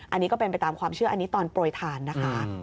อันนี้ก็เป็นไปตามความเชื่ออันนี้ตอนโปรยทานนะคะ